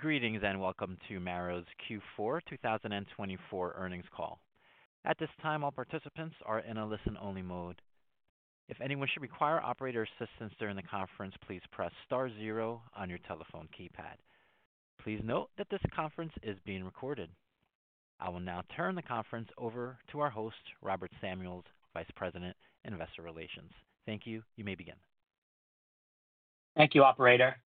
Greetings and welcome to MARA's Q4 2024 earnings call. At this time, all participants are in a listen-only mode. If anyone should require operator assistance during the conference, please press star zero on your telephone keypad. Please note that this conference is being recorded. I will now turn the conference over to our host, Robert Samuels, Vice President, Investor Relations. Thank you. You may begin. Thank you, Operator.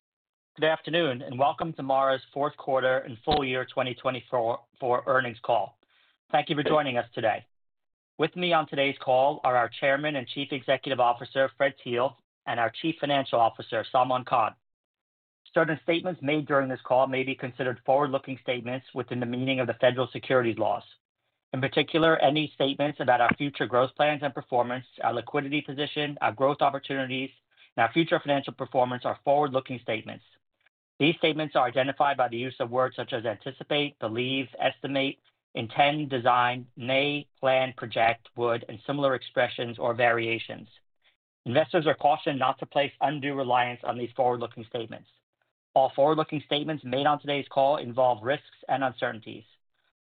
Good afternoon and welcome to MARA's fourth quarter and full year 2024 earnings call. Thank you for joining us today. With me on today's call are our Chairman and Chief Executive Officer, Fred Thiel, and our Chief Financial Officer, Salman Khan. Certain statements made during this call may be considered forward-looking statements within the meaning of the federal securities laws. In particular, any statements about our future growth plans and performance, our liquidity position, our growth opportunities, and our future financial performance are forward-looking statements. These statements are identified by the use of words such as anticipate, believe, estimate, intend, design, may, plan, project, would, and similar expressions or variations. Investors are cautioned not to place undue reliance on these forward-looking statements. All forward-looking statements made on today's call involve risks and uncertainties.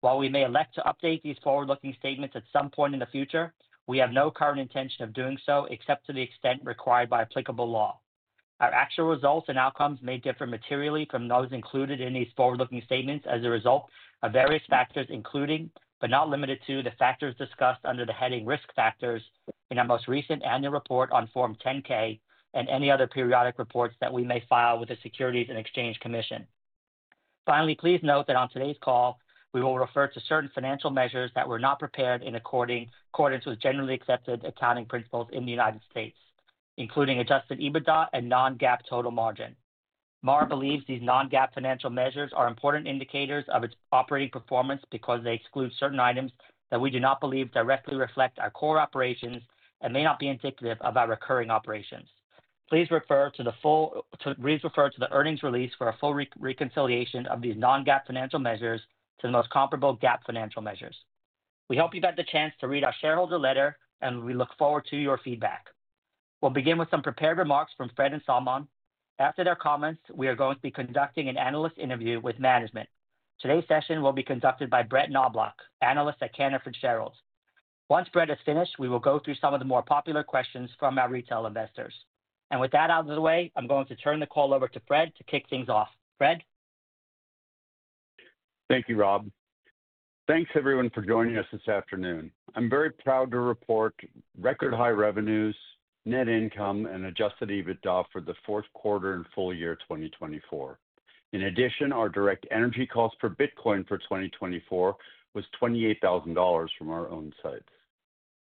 While we may elect to update these forward-looking statements at some point in the future, we have no current intention of doing so except to the extent required by applicable law. Our actual results and outcomes may differ materially from those included in these forward-looking statements as a result of various factors, including but not limited to the factors discussed under the heading risk factors in our most recent annual report on Form 10-K and any other periodic reports that we may file with the Securities and Exchange Commission. Finally, please note that on today's call, we will refer to certain financial measures that were not prepared in accordance with generally accepted accounting principles in the United States, including Adjusted EBITDA and non-GAAP total margin. MARA believes these non-GAAP financial measures are important indicators of its operating performance because they exclude certain items that we do not believe directly reflect our core operations and may not be indicative of our recurring operations. Please refer to the earnings release for a full reconciliation of these non-GAAP financial measures to the most comparable GAAP financial measures. We hope you've had the chance to read our shareholder letter, and we look forward to your feedback. We'll begin with some prepared remarks from Fred and Salman. After their comments, we are going to be conducting an analyst interview with management. Today's session will be conducted by Brett Knoblauch, analyst at Cantor Fitzgerald. Once Brett is finished, we will go through some of the more popular questions from our retail investors. With that out of the way, I'm going to turn the call over to Fred to kick things off. Fred. Thank you, Rob. Thanks, everyone, for joining us this afternoon. I'm very proud to report record high revenues, net income, and Adjusted EBITDA for the fourth quarter and full year 2024. In addition, our direct energy cost for Bitcoin for 2024 was $28,000 from our own sites.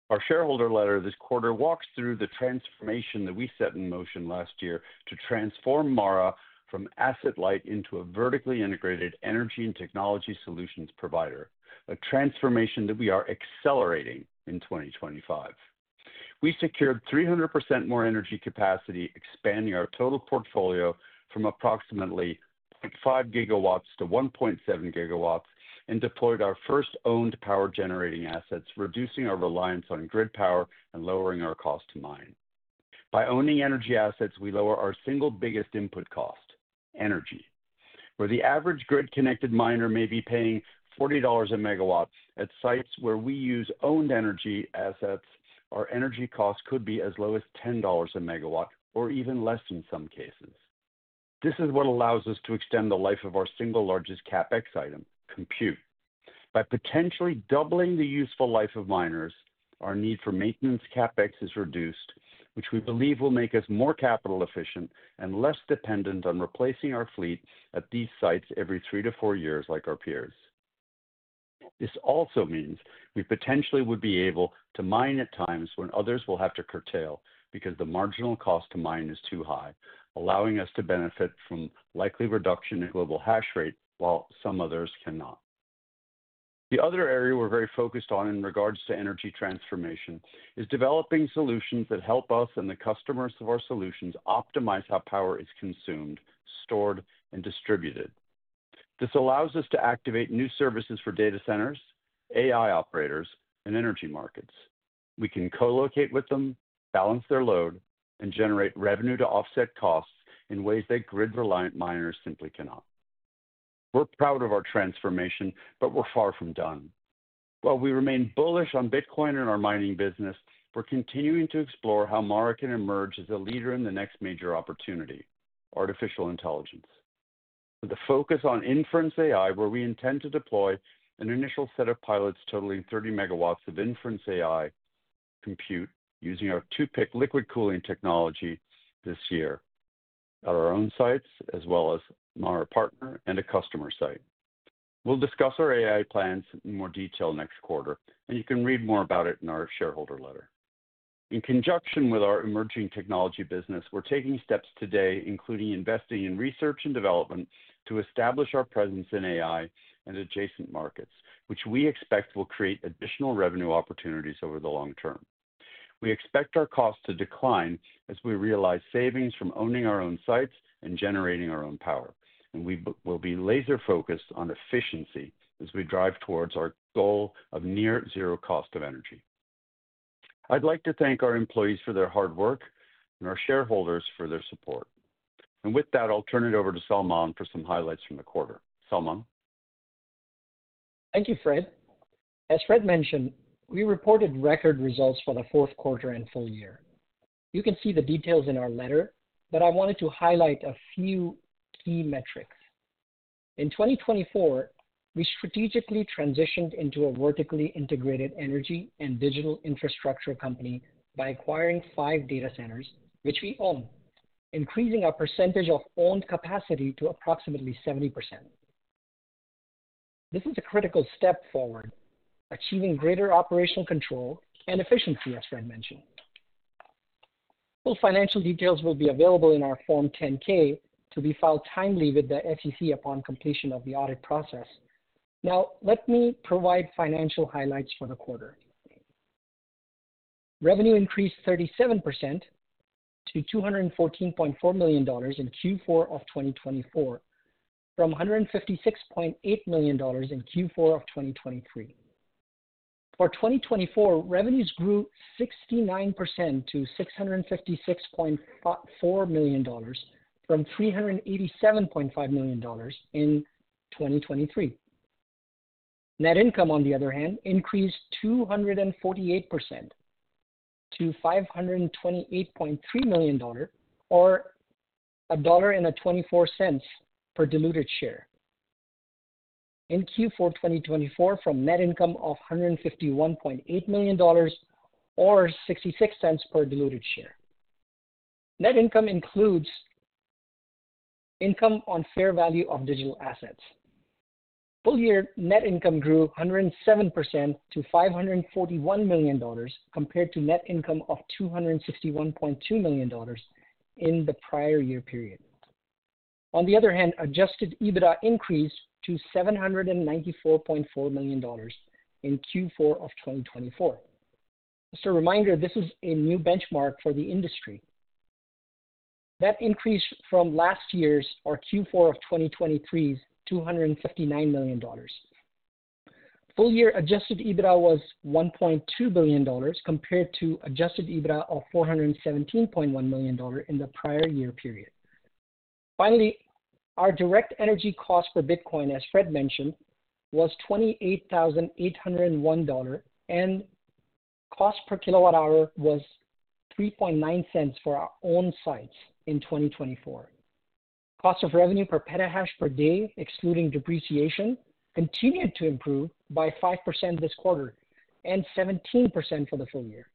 Our shareholder letter this quarter walks through the transformation that we set in motion last year to transform MARA from asset light into a vertically integrated energy and technology solutions provider, a transformation that we are accelerating in 2025. We secured 300% more energy capacity, expanding our total portfolio from approximately 0.5 gigawatts to 1.7 gigawatts and deployed our first owned power generating assets, reducing our reliance on grid power and lowering our cost to mine. By owning energy assets, we lower our single biggest input cost, energy, where the average grid-connected miner may be paying $40 a megawatt. At sites where we use owned energy assets, our energy cost could be as low as $10 a megawatt or even less in some cases. This is what allows us to extend the life of our single largest CapEx item, compute. By potentially doubling the useful life of miners, our need for maintenance CapEx is reduced, which we believe will make us more capital efficient and less dependent on replacing our fleet at these sites every three to four years like our peers. This also means we potentially would be able to mine at times when others will have to curtail because the marginal cost to mine is too high, allowing us to benefit from likely reduction in global hash rate while some others cannot. The other area we're very focused on in regards to energy transformation is developing solutions that help us and the customers of our solutions optimize how power is consumed, stored, and distributed. This allows us to activate new services for data centers, AI operators, and energy markets. We can co-locate with them, balance their load, and generate revenue to offset costs in ways that grid-reliance miners simply cannot. We're proud of our transformation, but we're far from done. While we remain bullish on Bitcoin and our mining business, we're continuing to explore how MARA can emerge as a leader in the next major opportunity, artificial intelligence. With a focus on inference AI, where we intend to deploy an initial set of pilots totaling 30 MW of inference AI compute using our 2PIC liquid cooling technology this year at our own sites as well as MARA Partner and a customer site. We'll discuss our AI plans in more detail next quarter, and you can read more about it in our shareholder letter. In conjunction with our emerging technology business, we're taking steps today, including investing in research and development to establish our presence in AI and adjacent markets, which we expect will create additional revenue opportunities over the long term. We expect our costs to decline as we realize savings from owning our own sites and generating our own power, and we will be laser-focused on efficiency as we drive towards our goal of near-zero cost of energy. I'd like to thank our employees for their hard work and our shareholders for their support. And with that, I'll turn it over to Salman for some highlights from the quarter. Salman. Thank you, Fred. As Fred mentioned, we reported record results for the fourth quarter and full year. You can see the details in our letter, but I wanted to highlight a few key metrics. In 2024, we strategically transitioned into a vertically integrated energy and digital infrastructure company by acquiring five data centers, which we own, increasing our percentage of owned capacity to approximately 70%. This is a critical step forward, achieving greater operational control and efficiency, as Fred mentioned. Full financial details will be available in our Form 10-K to be filed timely with the SEC upon completion of the audit process. Now, let me provide financial highlights for the quarter. Revenue increased 37% to $214.4 million in Q4 of 2024 from $156.8 million in Q4 of 2023. For 2024, revenues grew 69% to $656.4 million from $387.5 million in 2023. Net income, on the other hand, increased 248% to $528.3 million, or $1.24 per diluted share in Q4 2024 from net income of $151.8 million or $0.66 per diluted share. Net income includes income on fair value of digital assets. Full year net income grew 107% to $541 million compared to net income of $261.2 million in the prior year period. On the other hand, Adjusted EBITDA increased to $794.4 million in Q4 of 2024. Just a reminder, this is a new benchmark for the industry. That increased from last year's or Q4 of 2023's $259 million. Full year Adjusted EBITDA was $1.2 billion compared to Adjusted EBITDA of $417.1 million in the prior year period. Finally, our direct energy cost for Bitcoin, as Fred mentioned, was $28,801, and cost per kilowatt-hour was $0.39 for our own sites in 2024. Cost of revenue per petahash per day, excluding depreciation, continued to improve by 5% this quarter and 17% for the full year.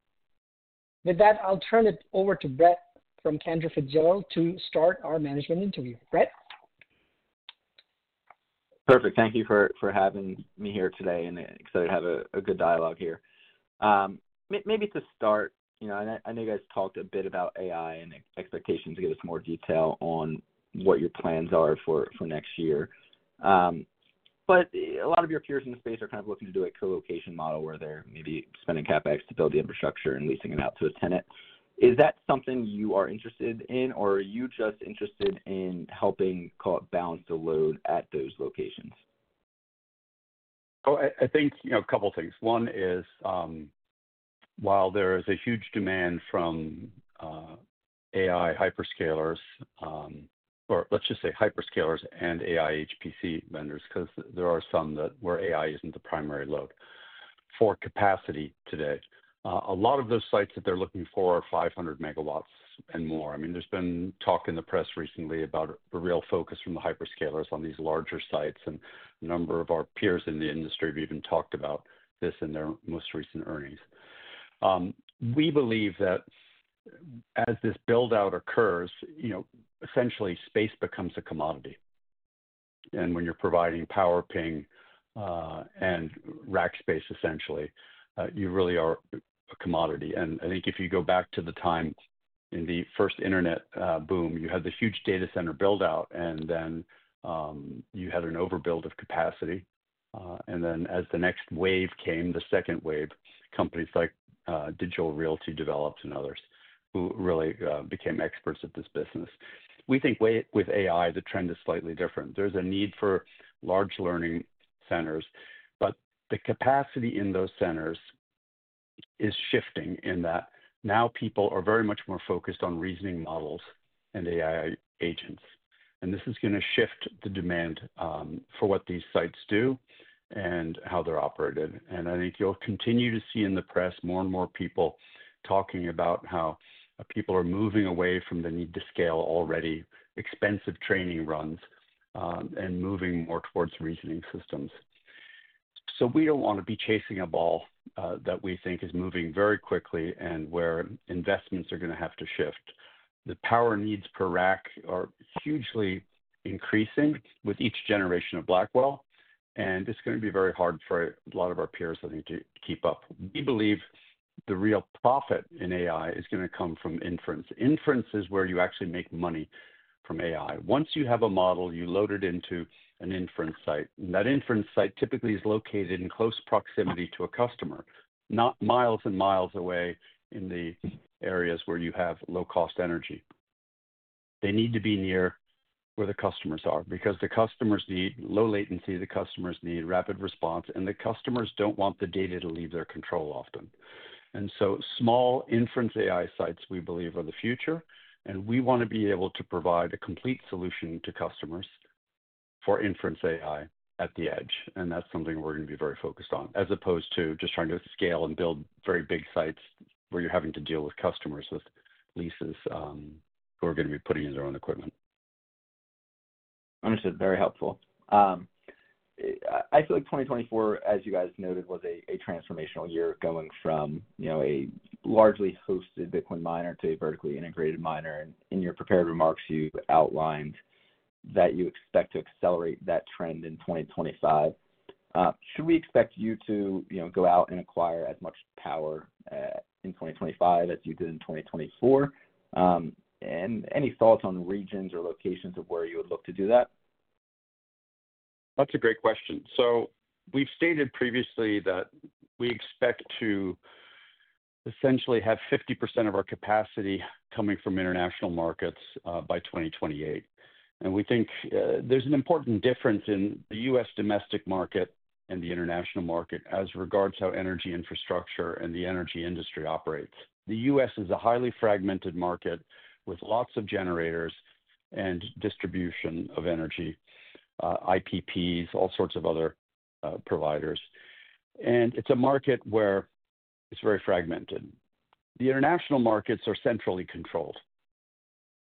With that, I'll turn it over to Brett from Cantor Fitzgerald to start our management interview. Brett. Perfect. Thank you for having me here today, and excited to have a good dialogue here. Maybe to start, you know, I know you guys talked a bit about AI and expectations to give us more detail on what your plans are for next year. But a lot of your peers in the space are kind of looking to do a co-location model where they're maybe spending CapEx to build the infrastructure and leasing it out to a tenant. Is that something you are interested in, or are you just interested in helping balance the load at those locations? Oh, I think, you know, a couple of things. One is, while there is a huge demand from AI hyperscalers, or let's just say hyperscalers and AI HPC vendors, because there are some where AI isn't the primary load for capacity today, a lot of those sites that they're looking for are 500 MW and more. I mean, there's been talk in the press recently about a real focus from the hyperscalers on these larger sites, and a number of our peers in the industry have even talked about this in their most recent earnings. We believe that as this buildout occurs, you know, essentially space becomes a commodity, and when you're providing power, ping, and rack space, essentially, you really are a commodity. I think if you go back to the time in the first internet boom, you had the huge data center buildout, and then you had an overbuild of capacity, then as the next wave came, the second wave, companies like Digital Realty developed and others who really became experts at this business. We think with AI, the trend is slightly different. There's a need for large learning centers, but the capacity in those centers is shifting in that now people are very much more focused on reasoning models and AI agents, this is going to shift the demand for what these sites do and how they're operated. I think you'll continue to see in the press more and more people talking about how people are moving away from the need to scale already expensive training runs and moving more towards reasoning systems. We don't want to be chasing a ball that we think is moving very quickly and where investments are going to have to shift. The power needs per rack are hugely increasing with each generation of Blackwell, and it's going to be very hard for a lot of our peers, I think, to keep up. We believe the real profit in AI is going to come from inference. Inference is where you actually make money from AI. Once you have a model, you load it into an inference site, and that inference site typically is located in close proximity to a customer, not miles and miles away in the areas where you have low-cost energy. They need to be near where the customers are because the customers need low latency, the customers need rapid response, and the customers don't want the data to leave their control often. And so small inference AI sites, we believe, are the future, and we want to be able to provide a complete solution to customers for inference AI at the edge. And that's something we're going to be very focused on, as opposed to just trying to scale and build very big sites where you're having to deal with customers with leases who are going to be putting in their own equipment. Understood. Very helpful. I feel like 2024, as you guys noted, was a transformational year going from, you know, a largely hosted Bitcoin miner to a vertically integrated miner, and in your prepared remarks, you outlined that you expect to accelerate that trend in 2025. Should we expect you to, you know, go out and acquire as much power in 2025 as you did in 2024, and any thoughts on regions or locations of where you would look to do that? That's a great question. So we've stated previously that we expect to essentially have 50% of our capacity coming from international markets by 2028. And we think there's an important difference in the U.S. domestic market and the international market as regards to how energy infrastructure and the energy industry operates. The U.S. is a highly fragmented market with lots of generators and distribution of energy, IPPs, all sorts of other providers. And it's a market where it's very fragmented. The international markets are centrally controlled.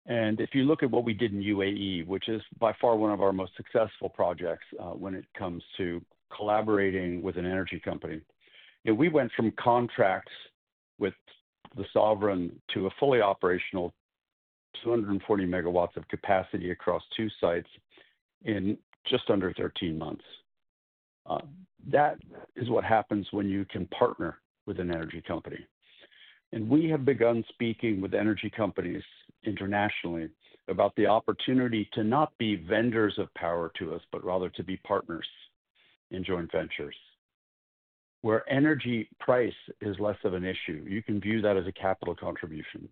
And if you look at what we did in UAE, which is by far one of our most successful projects when it comes to collaborating with an energy company, you know, we went from contracts with the sovereign to a fully operational 240 MW of capacity across two sites in just under 13 months. That is what happens when you can partner with an energy company. And we have begun speaking with energy companies internationally about the opportunity to not be vendors of power to us, but rather to be partners in joint ventures where energy price is less of an issue. You can view that as a capital contribution.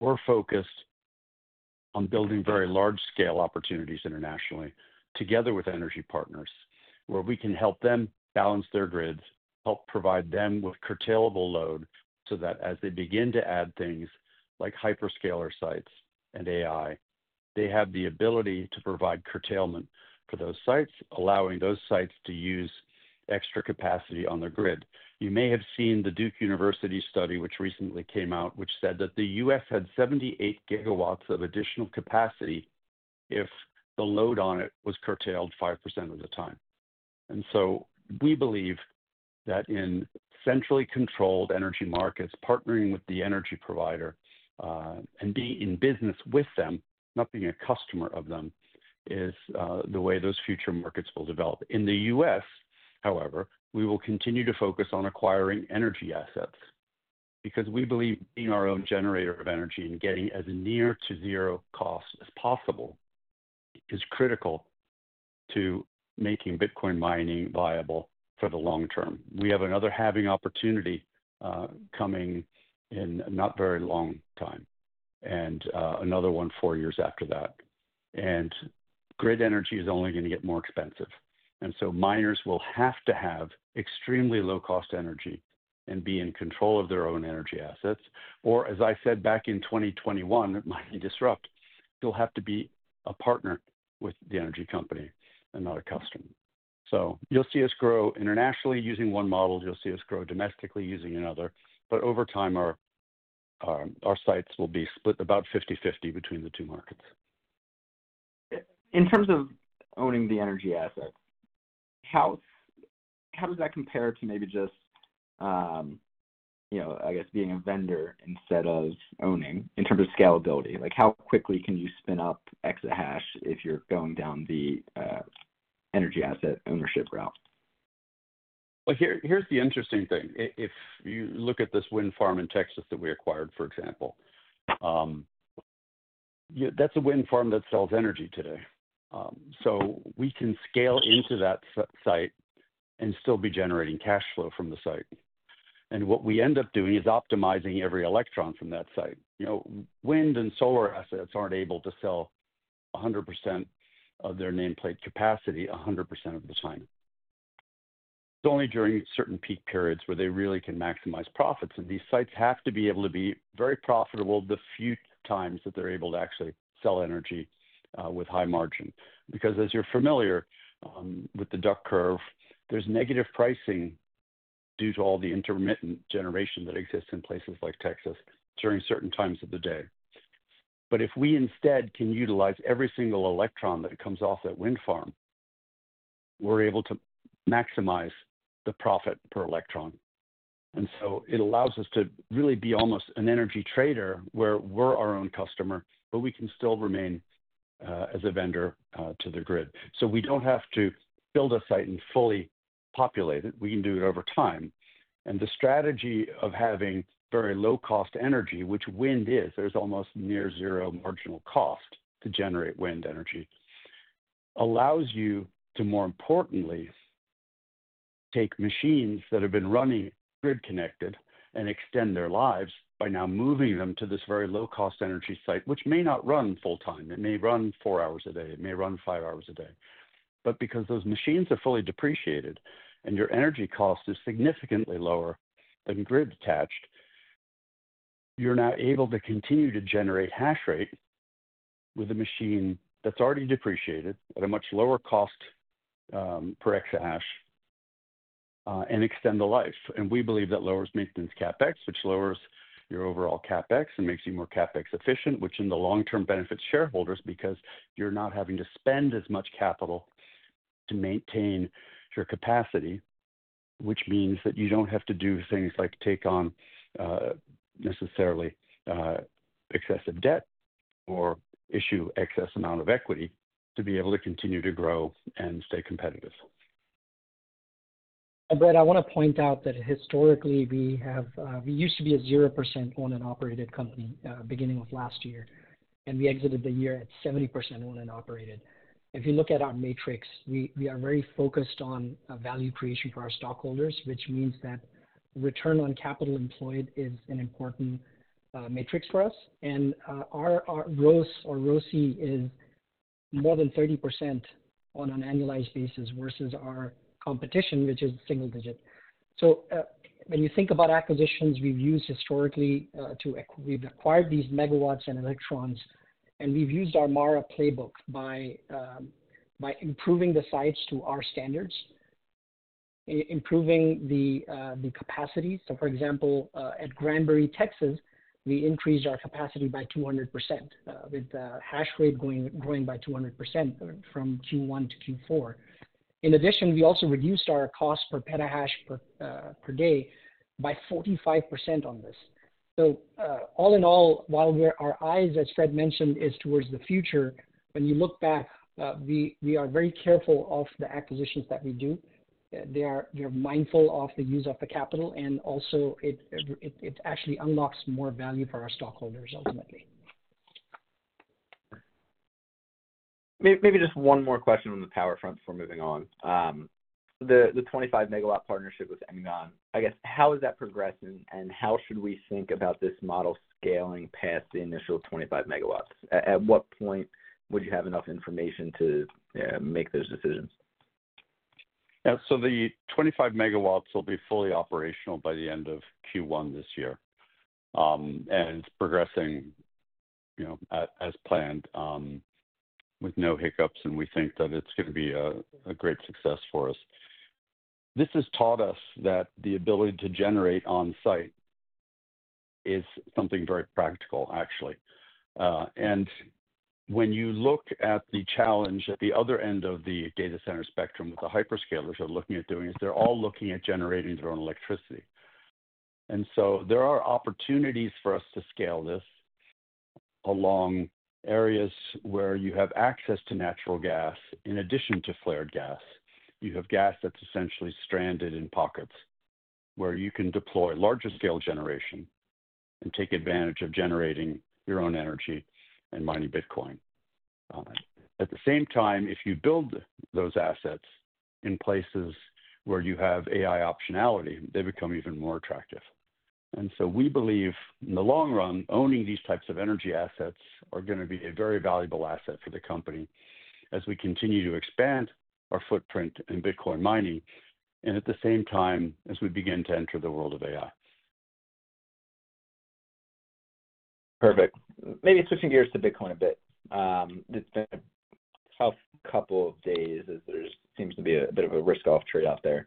We're focused on building very large-scale opportunities internationally together with energy partners where we can help them balance their grids, help provide them with curtailable load so that as they begin to add things like hyperscaler sites and AI, they have the ability to provide curtailment for those sites, allowing those sites to use extra capacity on their grid. You may have seen the Duke University study which recently came out, which said that the U.S. had 78 gigawatts of additional capacity if the load on it was curtailed 5% of the time. And so we believe that in centrally controlled energy markets, partnering with the energy provider and being in business with them, not being a customer of them, is the way those future markets will develop. In the U.S., however, we will continue to focus on acquiring energy assets because we believe being our own generator of energy and getting as near to zero cost as possible is critical to making Bitcoin mining viable for the long term. We have another halving opportunity coming in not very long time and another one four years after that. And grid energy is only going to get more expensive. And so miners will have to have extremely low-cost energy and be in control of their own energy assets. Or, as I said back in 2021, mind you, disrupt, you'll have to be a partner with the energy company and not a customer. So you'll see us grow internationally using one model. You'll see us grow domestically using another. But over time, our sites will be split about 50/50 between the two markets. In terms of owning the energy assets, how does that compare to maybe just, you know, I guess being a vendor instead of owning in terms of scalability? Like, how quickly can you spin up Exahash if you're going down the energy asset ownership route? Here's the interesting thing. If you look at this wind farm in Texas that we acquired, for example, that's a wind farm that sells energy today. So we can scale into that site and still be generating cash flow from the site. And what we end up doing is optimizing every electron from that site. You know, wind and solar assets aren't able to sell 100% of their nameplate capacity 100% of the time. It's only during certain peak periods where they really can maximize profits. And these sites have to be able to be very profitable the few times that they're able to actually sell energy with high margin. Because as you're familiar with the Duck Curve, there's negative pricing due to all the intermittent generation that exists in places like Texas during certain times of the day. But if we instead can utilize every single electron that comes off that wind farm, we're able to maximize the profit per electron. And so it allows us to really be almost an energy trader where we're our own customer, but we can still remain as a vendor to the grid. So we don't have to build a site and fully populate it. We can do it over time. And the strategy of having very low-cost energy, which wind is, there's almost near zero marginal cost to generate wind energy, allows you to, more importantly, take machines that have been running grid-connected and extend their lives by now moving them to this very low-cost energy site, which may not run full time. It may run four hours a day. It may run five hours a day. But because those machines are fully depreciated and your energy cost is significantly lower than grid-attached, you're now able to continue to generate hash rate with a machine that's already depreciated at a much lower cost per exahash and extend the life. And we believe that lowers maintenance CapEx, which lowers your overall CapEx and makes you more CapEx efficient, which in the long term benefits shareholders because you're not having to spend as much capital to maintain your capacity, which means that you don't have to do things like take on necessarily excessive debt or issue excess amount of equity to be able to continue to grow and stay competitive. Brett, I want to point out that historically we used to be a 0% owned and operated company beginning with last year, and we exited the year at 70% owned and operated. If you look at our metric, we are very focused on value creation for our stockholders, which means that return on capital employed is an important metric for us. And our ROCE or ROIC is more than 30% on an annualized basis versus our competition, which is single digit. So when you think about acquisitions we've used historically to acquire these megawatts and electrons, and we've used our MARA playbook by improving the sites to our standards, improving the capacity. So for example, at Granbury, Texas, we increased our capacity by 200% with hash rate growing by 200% from Q1 to Q4. In addition, we also reduced our cost per petahash per day by 45% on this. So all in all, while our eyes, as Fred mentioned, is towards the future, when you look back, we are very careful of the acquisitions that we do. They are mindful of the use of the capital, and also it actually unlocks more value for our stockholders ultimately. Maybe just one more question on the power front before moving on. The 25-megawatt partnership with NGON, I guess, how has that progressed and how should we think about this model scaling past the initial 25 megawatt? At what point would you have enough information to make those decisions? Yeah. So the 25 megawatts will be fully operational by the end of Q1 this year. And it's progressing, you know, as planned with no hiccups. And we think that it's going to be a great success for us. This has taught us that the ability to generate on site is something very practical, actually. And when you look at the challenge at the other end of the data center spectrum with the hyperscalers are looking at doing is they're all looking at generating their own electricity. And so there are opportunities for us to scale this along areas where you have access to natural gas in addition to flared gas. You have gas that's essentially stranded in pockets where you can deploy larger scale generation and take advantage of generating your own energy and mining Bitcoin. At the same time, if you build those assets in places where you have AI optionality, they become even more attractive, and so we believe in the long run, owning these types of energy assets are going to be a very valuable asset for the company as we continue to expand our footprint in Bitcoin mining and at the same time as we begin to enter the world of AI. Perfect. Maybe switching gears to Bitcoin a bit. It's been a tough couple of days as there seems to be a bit of a risk-off trade-off there.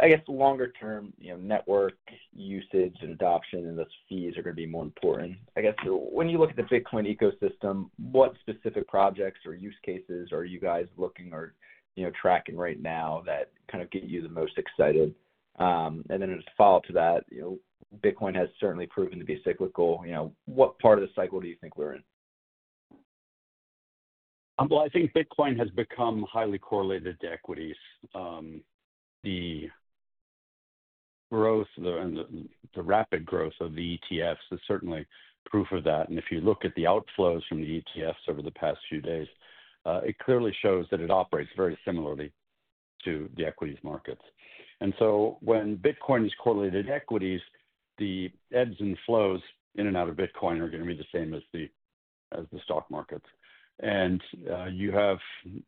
I guess longer term, you know, network usage and adoption and those fees are going to be more important. I guess when you look at the Bitcoin ecosystem, what specific projects or use cases are you guys looking or, you know, tracking right now that kind of get you the most excited? And then as a follow-up to that, you know, Bitcoin has certainly proven to be cyclical. You know, what part of the cycle do you think we're in? I think Bitcoin has become highly correlated to equities. The growth and the rapid growth of the ETFs is certainly proof of that. If you look at the outflows from the ETFs over the past few days, it clearly shows that it operates very similarly to the equities markets. When Bitcoin is correlated to equities, the ebbs and flows in and out of Bitcoin are going to be the same as the stock markets. You have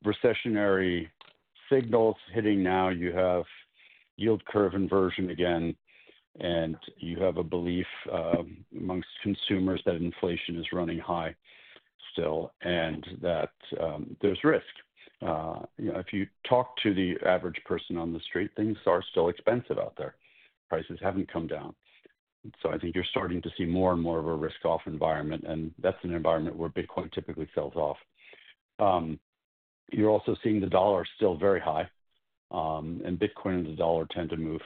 recessionary signals hitting now. You have yield curve inversion again. You have a belief among consumers that inflation is running high still and that there's risk. You know, if you talk to the average person on the street, things are still expensive out there. Prices haven't come down. I think you're starting to see more and more of a risk-off environment. That's an environment where Bitcoin typically sells off. You're also seeing the dollar still very high. Bitcoin and the dollar tend to move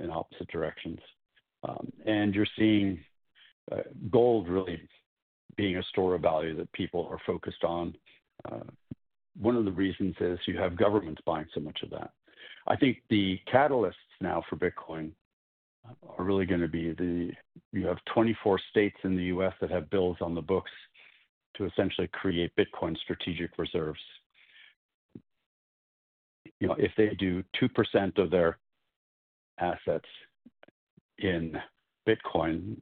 in opposite directions. You're seeing gold really being a store of value that people are focused on. One of the reasons is you have governments buying so much of that. I think the catalysts now for Bitcoin are really going to be the. You have 24 states in the U.S. that have bills on the books to essentially create Bitcoin strategic reserves. You know, if they do 2% of their assets in Bitcoin,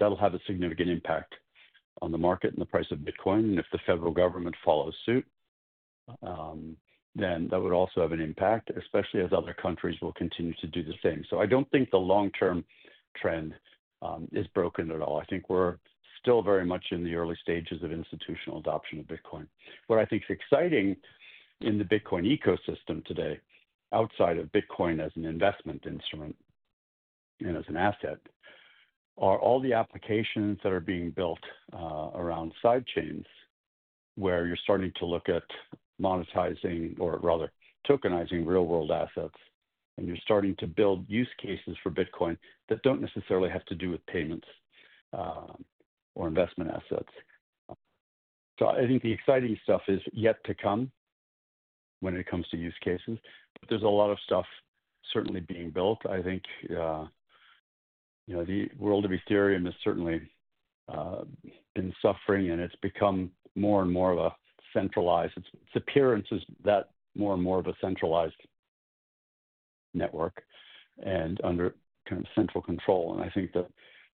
that'll have a significant impact on the market and the price of Bitcoin. If the federal government follows suit, then that would also have an impact, especially as other countries will continue to do the same. I don't think the long-term trend is broken at all. I think we're still very much in the early stages of institutional adoption of Bitcoin. What I think is exciting in the Bitcoin ecosystem today, outside of Bitcoin as an investment instrument and as an asset, are all the applications that are being built around side chains where you're starting to look at monetizing or rather tokenizing real-world assets, and you're starting to build use cases for Bitcoin that don't necessarily have to do with payments or investment assets. So I think the exciting stuff is yet to come when it comes to use cases, but there's a lot of stuff certainly being built. I think, you know, the world of Ethereum has certainly been suffering, and it's become more and more centralized. It appears more and more of a centralized network and under kind of central control. And I think that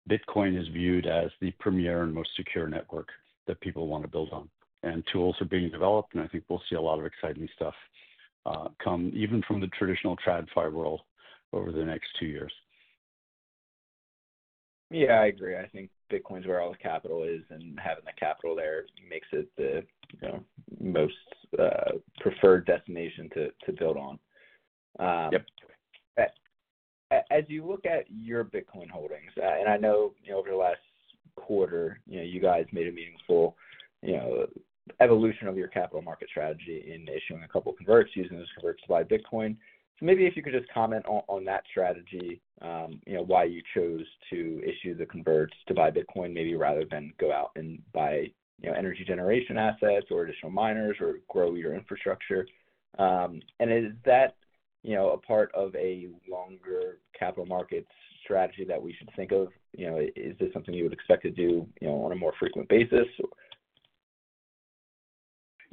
Bitcoin is viewed as the premier and most secure network that people want to build on. And tools are being developed. And I think we'll see a lot of exciting stuff come even from the traditional TradFi world over the next two years. Yeah, I agree. I think Bitcoin's where all the capital is. And having the capital there makes it the, you know, most preferred destination to build on. Yep. As you look at your Bitcoin holdings, and I know, you know, over the last quarter, you know, you guys made a meaningful, you know, evolution of your capital market strategy in issuing a couple of converts using those converts to buy Bitcoin. So maybe if you could just comment on that strategy, you know, why you chose to issue the converts to buy Bitcoin maybe rather than go out and buy, you know, energy generation assets or additional miners or grow your infrastructure. And is that, you know, a part of a longer capital markets strategy that we should think of? You know, is this something you would expect to do, you know, on a more frequent basis?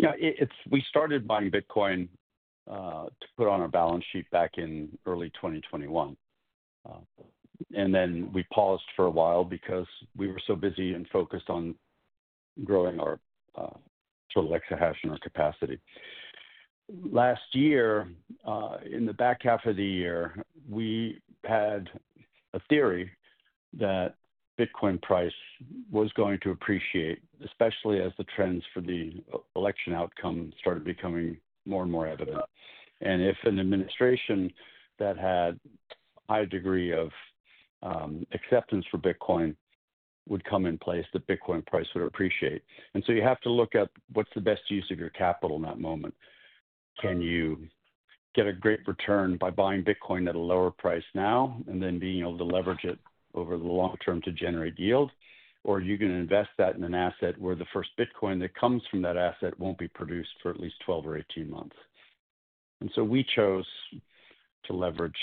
Yeah. It's we started buying Bitcoin to put on our balance sheet back in early 2021. And then we paused for a while because we were so busy and focused on growing our total Exahash and our capacity. Last year, in the back half of the year, we had a theory that Bitcoin price was going to appreciate, especially as the trends for the election outcome started becoming more and more evident. And if an administration that had a high degree of acceptance for Bitcoin would come in place, that Bitcoin price would appreciate. And so you have to look at what's the best use of your capital in that moment. Can you get a great return by buying Bitcoin at a lower price now and then being able to leverage it over the long term to generate yield? Or are you going to invest that in an asset where the first Bitcoin that comes from that asset won't be produced for at least 12 or 18 months? And so we chose to leverage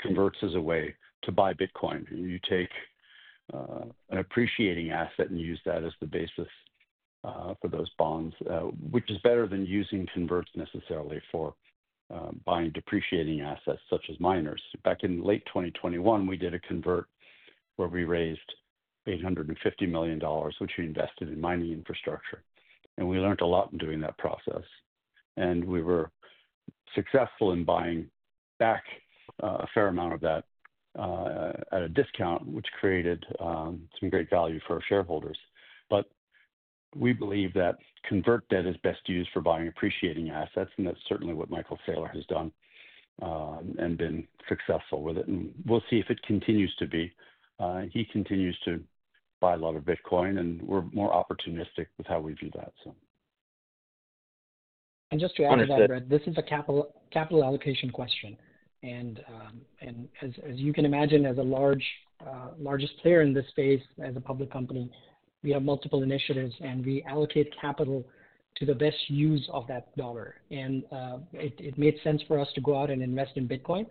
converts as a way to buy Bitcoin. You take an appreciating asset and use that as the basis for those bonds, which is better than using converts necessarily for buying depreciating assets such as miners. Back in late 2021, we did a convert where we raised $850 million, which we invested in mining infrastructure. And we learned a lot in doing that process. And we were successful in buying back a fair amount of that at a discount, which created some great value for our shareholders. But we believe that convert debt is best used for buying appreciating assets. And that's certainly what Michael Saylor has done and been successful with it. We'll see if it continues to be. He continues to buy a lot of Bitcoin. We're more opportunistic with how we view that, so. And just to add to that, Brett, this is a capital allocation question. And as you can imagine, as a largest player in this space, as a public company, we have multiple initiatives. And we allocate capital to the best use of that dollar. And it made sense for us to go out and invest in Bitcoin.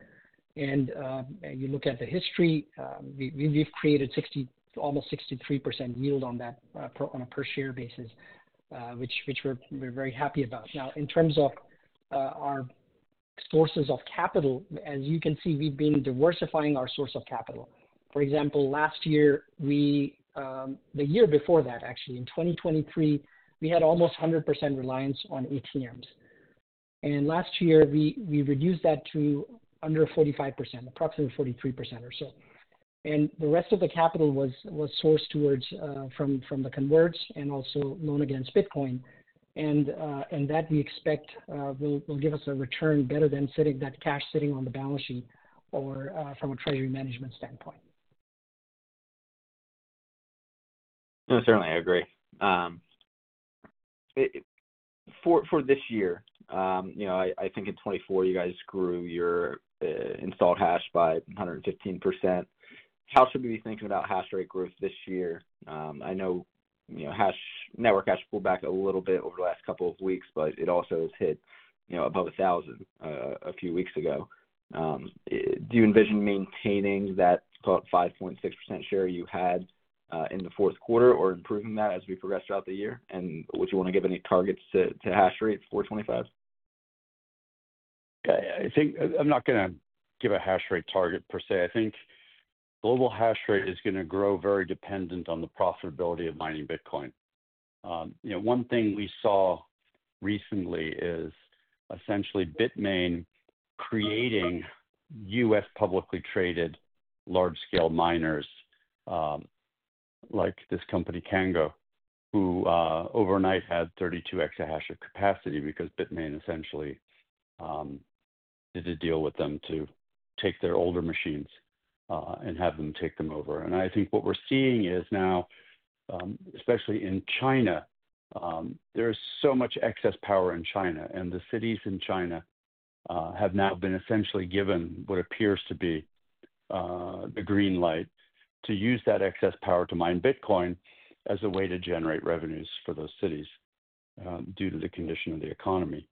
And you look at the history, we've created almost 63% yield on that on a per-share basis, which we're very happy about. Now, in terms of our sources of capital, as you can see, we've been diversifying our source of capital. For example, last year, we, the year before that, actually in 2023, we had almost 100% reliance on ETMs. And last year, we reduced that to under 45%, approximately 43% or so. And the rest of the capital was sourced from the converts and also loan against Bitcoin. That we expect will give us a return better than sitting that cash on the balance sheet or from a treasury management standpoint. No, certainly. I agree. For this year, you know, I think in 2024, you guys grew your installed hash by 115%. How should we be thinking about hash rate growth this year? I know, you know, network hash rate pulled back a little bit over the last couple of weeks, but it also has hit, you know, above 1,000 a few weeks ago. Do you envision maintaining that about 5.6% share you had in the fourth quarter or improving that as we progress throughout the year, and would you want to give any targets to hash rate for 2025? Yeah. I think I'm not going to give a hash rate target per se. I think global hash rate is going to grow very dependent on the profitability of mining Bitcoin. You know, one thing we saw recently is essentially Bitmain creating U.S. publicly traded large-scale miners like this company, Cango, who overnight had 32 exahash of capacity because Bitmain essentially did a deal with them to take their older machines and have them take them over, and I think what we're seeing is now, especially in China, there is so much excess power in China, and the cities in China have now been essentially given what appears to be the green light to use that excess power to mine Bitcoin as a way to generate revenues for those cities due to the condition of the economy.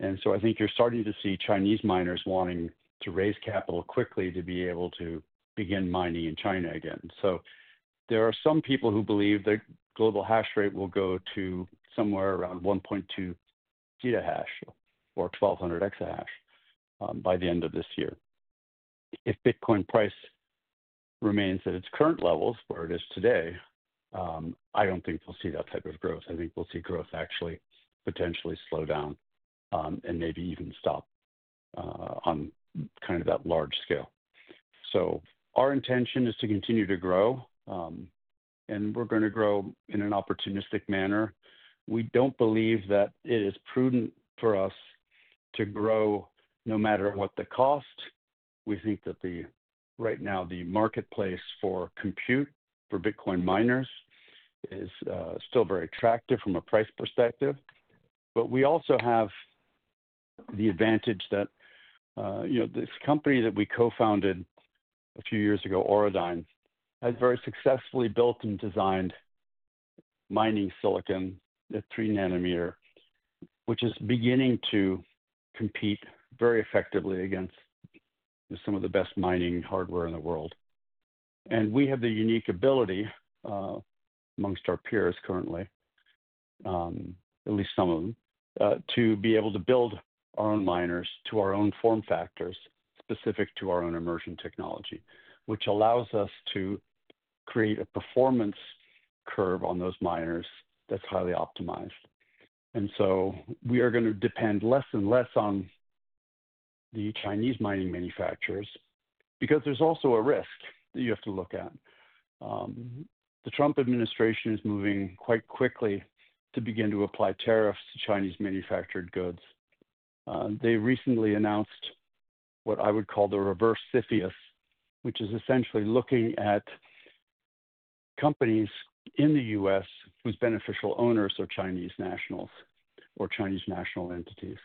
And so I think you're starting to see Chinese miners wanting to raise capital quickly to be able to begin mining in China again. So there are some people who believe that global hash rate will go to somewhere around 1.2 zettahash or 1,200 exahash by the end of this year. If Bitcoin price remains at its current levels where it is today, I don't think we'll see that type of growth. I think we'll see growth actually potentially slow down and maybe even stop on kind of that large scale. So our intention is to continue to grow. And we're going to grow in an opportunistic manner. We don't believe that it is prudent for us to grow no matter what the cost. We think that right now the marketplace for compute for Bitcoin miners is still very attractive from a price perspective. But we also have the advantage that, you know, this company that we co-founded a few years ago, Auradine, has very successfully built and designed mining silicon at 3 nanometer, which is beginning to compete very effectively against some of the best mining hardware in the world. And we have the unique ability amongst our peers currently, at least some of them, to be able to build our own miners to our own form factors specific to our own immersion technology, which allows us to create a performance curve on those miners that's highly optimized. And so we are going to depend less and less on the Chinese mining manufacturers because there's also a risk that you have to look at. The Trump administration is moving quite quickly to begin to apply tariffs to Chinese manufactured goods. They recently announced what I would call the reverse CFIUS, which is essentially looking at companies in the U.S. whose beneficial owners are Chinese nationals or Chinese national entities.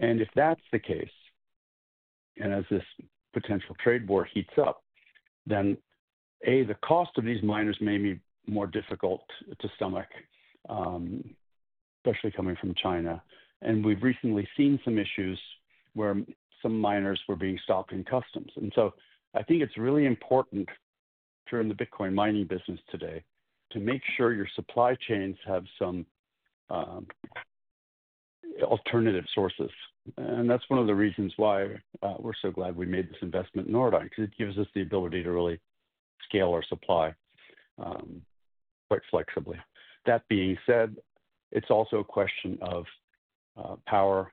And if that's the case, and as this potential trade war heats up, then A, the cost of these miners may be more difficult to stomach, especially coming from China. And we've recently seen some issues where some miners were being stopped in customs. And so I think it's really important during the Bitcoin mining business today to make sure your supply chains have some alternative sources. And that's one of the reasons why we're so glad we made this investment in Auradine, because it gives us the ability to really scale our supply quite flexibly. That being said, it's also a question of power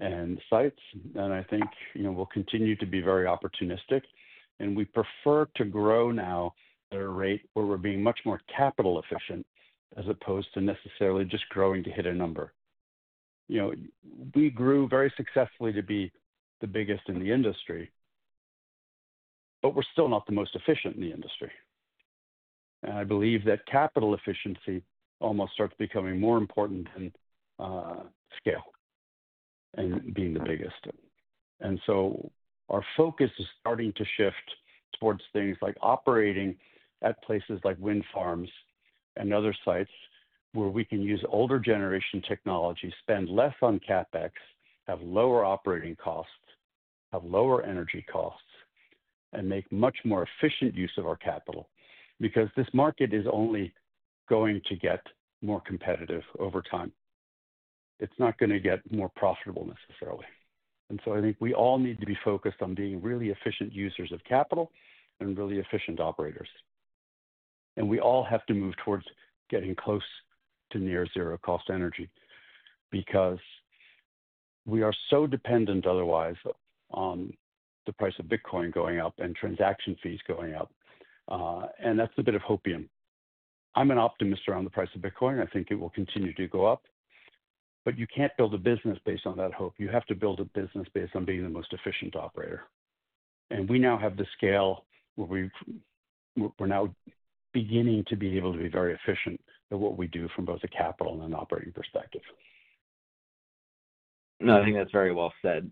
and sites. And I think, you know, we'll continue to be very opportunistic. We prefer to grow now at a rate where we're being much more capital efficient as opposed to necessarily just growing to hit a number. You know, we grew very successfully to be the biggest in the industry, but we're still not the most efficient in the industry. I believe that capital efficiency almost starts becoming more important than scale and being the biggest. So our focus is starting to shift towards things like operating at places like wind farms and other sites where we can use older generation technology, spend less on CapEx, have lower operating costs, have lower energy costs, and make much more efficient use of our capital because this market is only going to get more competitive over time. It's not going to get more profitable necessarily. And so I think we all need to be focused on being really efficient users of capital and really efficient operators. And we all have to move towards getting close to near zero cost energy because we are so dependent otherwise on the price of Bitcoin going up and transaction fees going up. And that's a bit of hopium. I'm an optimist around the price of Bitcoin. I think it will continue to go up. But you can't build a business based on that hope. You have to build a business based on being the most efficient operator. And we now have the scale where we're now beginning to be able to be very efficient at what we do from both a capital and an operating perspective. No, I think that's very well said.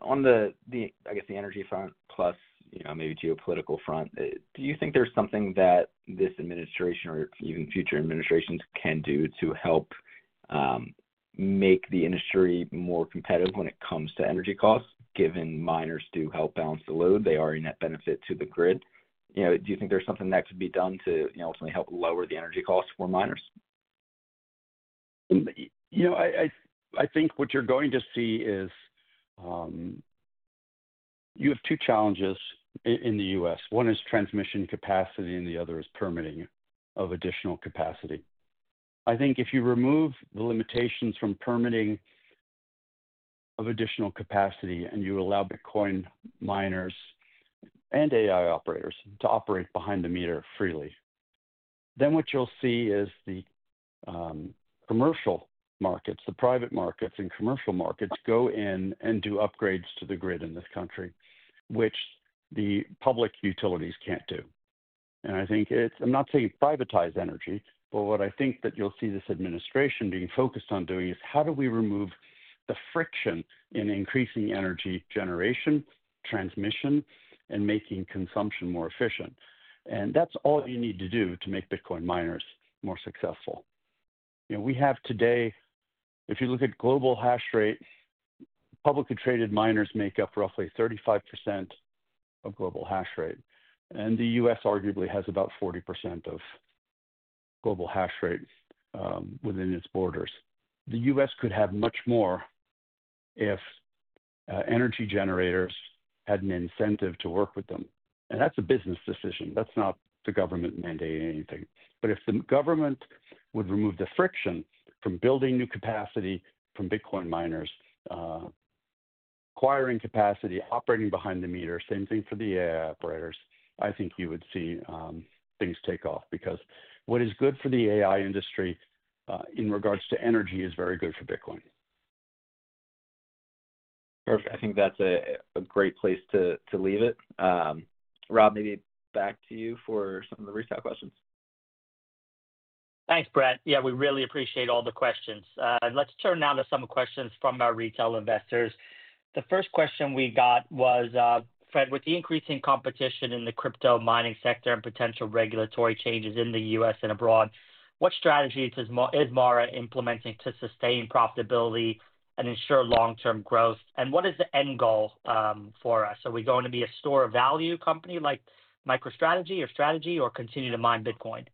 On the, I guess, energy front plus, you know, maybe geopolitical front, do you think there's something that this administration or even future administrations can do to help make the industry more competitive when it comes to energy costs? Given miners do help balance the load, they are a net benefit to the grid. You know, do you think there's something that could be done to, you know, ultimately help lower the energy costs for miners? You know, I think what you're going to see is you have two challenges in the U.S. One is transmission capacity, and the other is permitting of additional capacity. I think if you remove the limitations from permitting of additional capacity and you allow Bitcoin miners and AI operators to operate behind the meter freely, then what you'll see is the commercial markets, the private markets, and commercial markets go in and do upgrades to the grid in this country, which the public utilities can't do. And I think it's, I'm not saying privatize energy, but what I think that you'll see this administration being focused on doing is how do we remove the friction in increasing energy generation, transmission, and making consumption more efficient? And that's all you need to do to make Bitcoin miners more successful. You know, we have today. If you look at global hash rate, publicly traded miners make up roughly 35% of global hash rate. And the U.S. arguably has about 40% of global hash rate within its borders. The U.S. could have much more if energy generators had an incentive to work with them. And that's a business decision. That's not the government mandating anything. But if the government would remove the friction from building new capacity from Bitcoin miners, acquiring capacity, operating behind the meter, same thing for the AI operators, I think you would see things take off because what is good for the AI industry in regards to energy is very good for Bitcoin. Perfect. I think that's a great place to leave it. Rob, maybe back to you for some of the retail questions. Thanks, Brett. Yeah, we really appreciate all the questions. Let's turn now to some questions from our retail investors. The first question we got was, "Fred, with the increasing competition in the crypto mining sector and potential regulatory changes in the U.S. and abroad, what strategy is MARA implementing to sustain profitability and ensure long-term growth? And what is the end goal for us? Are we going to be a store of value company like MicroStrategy or Strategy or continue to mine Bitcoin?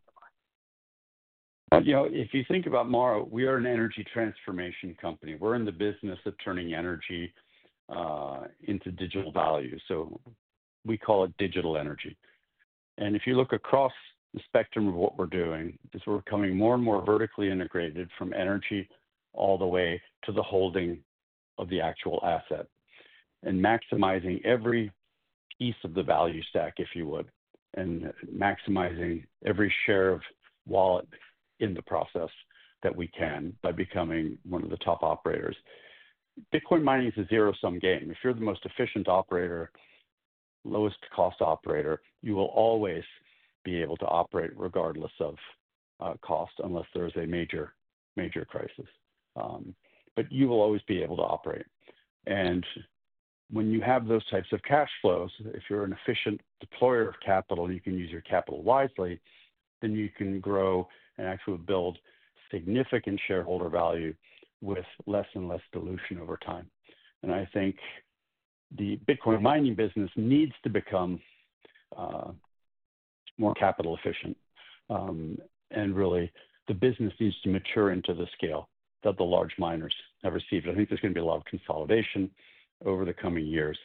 You know, if you think about MARA, we are an energy transformation company. We're in the business of turning energy into digital value. So we call it digital energy. And if you look across the spectrum of what we're doing, is we're becoming more and more vertically integrated from energy all the way to the holding of the actual asset and maximizing every piece of the value stack, if you would, and maximizing every share of wallet in the process that we can by becoming one of the top operators. Bitcoin mining is a zero-sum game. If you're the most efficient operator, lowest cost operator, you will always be able to operate regardless of cost unless there's a major, major crisis. But you will always be able to operate. When you have those types of cash flows, if you're an efficient deployer of capital, you can use your capital wisely. Then you can grow and actually build significant shareholder value with less and less dilution over time. I think the Bitcoin mining business needs to become more capital efficient. Really, the business needs to mature into the scale that the large miners have received. I think there's going to be a lot of consolidation over the coming years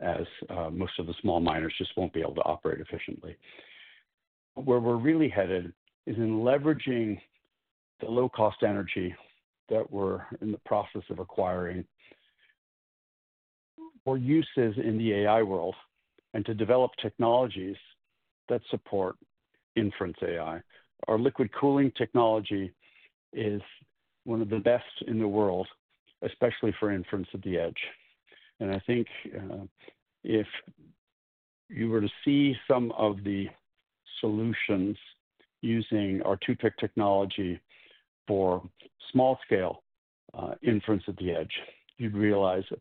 as most of the small miners just won't be able to operate efficiently. Where we're really headed is in leveraging the low-cost energy that we're in the process of acquiring for uses in the AI world and to develop technologies that support inference AI. Our liquid cooling technology is one of the best in the world, especially for inference at the edge. And I think if you were to see some of the solutions using our 2PIC technology for small-scale inference at the edge, you'd realize that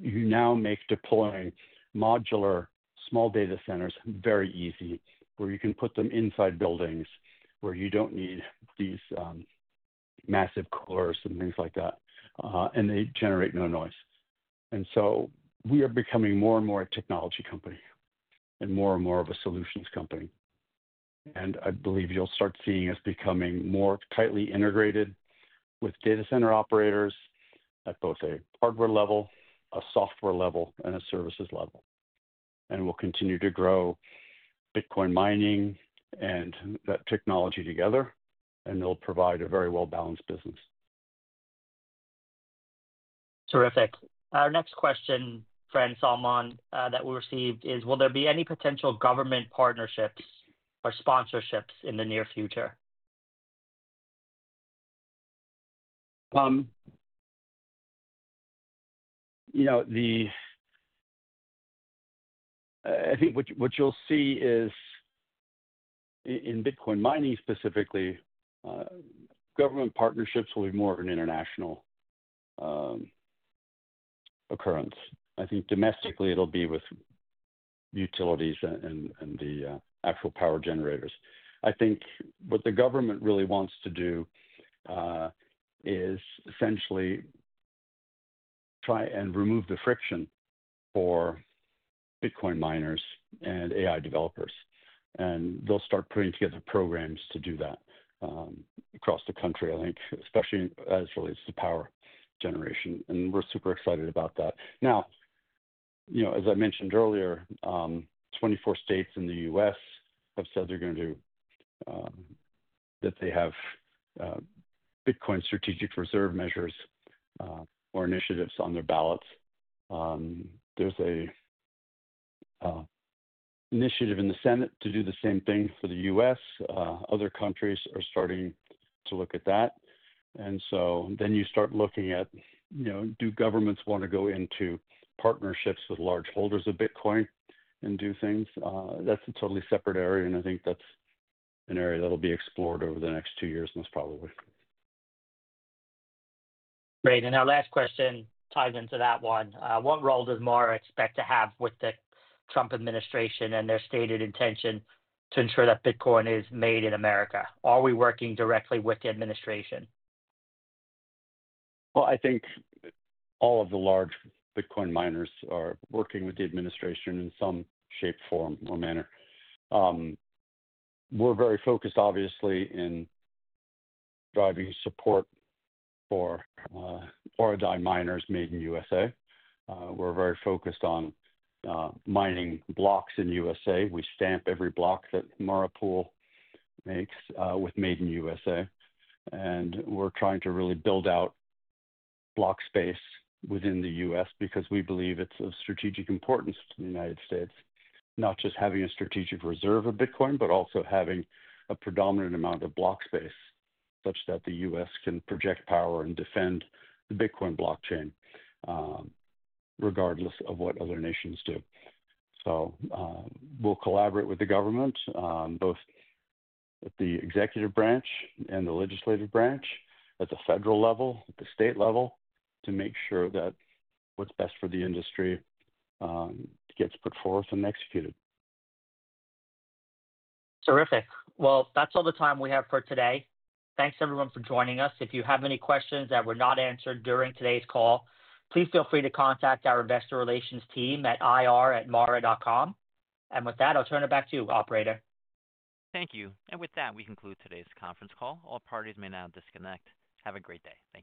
you now make deploying modular small data centers very easy, where you can put them inside buildings where you don't need these massive coolers and things like that. And they generate no noise. And so we are becoming more and more a technology company and more and more of a solutions company. And I believe you'll start seeing us becoming more tightly integrated with data center operators at both a hardware level, a software level, and a services level. And we'll continue to grow Bitcoin mining and that technology together, and it'll provide a very well-balanced business. Terrific. Our next question from Salman that we received is, "Will there be any potential government partnerships or sponsorships in the near future? You know, I think what you'll see is in Bitcoin mining specifically, government partnerships will be more of an international occurrence. I think domestically, it'll be with utilities and the actual power generators. I think what the government really wants to do is essentially try and remove the friction for Bitcoin miners and AI developers. And they'll start putting together programs to do that across the country, I think, especially as it relates to power generation. And we're super excited about that. Now, you know, as I mentioned earlier, 24 states in the U.S. have said they're going to do that. They have Bitcoin strategic reserve measures or initiatives on their ballots. There's an initiative in the Senate to do the same thing for the U.S. Other countries are starting to look at that. You start looking at, you know, do governments want to go into partnerships with large holders of Bitcoin and do things? That's a totally separate area. I think that's an area that'll be explored over the next two years most probably. Great. And our last question ties into that one. What role does MARA expect to have with the Trump administration and their stated intention to ensure that Bitcoin is made in America? Are we working directly with the administration? I think all of the large Bitcoin miners are working with the administration in some shape, form, or manner. We're very focused, obviously, in driving support for Auradine miners made in USA. We're very focused on mining blocks in USA. We stamp every block that MARA Pool makes with made in USA. And we're trying to really build out block space within the U.S. because we believe it's of strategic importance to the United States, not just having a strategic reserve of Bitcoin, but also having a predominant amount of block space such that the U.S. can project power and defend the Bitcoin blockchain regardless of what other nations do. We'll collaborate with the government, both at the executive branch and the legislative branch, at the federal level, at the state level, to make sure that what's best for the industry gets put forth and executed. Terrific. Well, that's all the time we have for today. Thanks, everyone, for joining us. If you have any questions that were not answered during today's call, please feel free to contact our investor relations team at ir@mara.com. And with that, I'll turn it back to you, Operator. Thank you. And with that, we conclude today's conference call. All parties may now disconnect. Have a great day. Thank you.